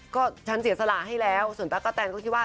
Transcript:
ก็ฉันเสียสละให้แล้วส่วนตั๊กกะแตนก็คิดว่า